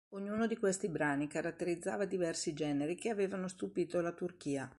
Ognuno di questi brani caratterizzava diversi generi che avevano stupito la Turchia.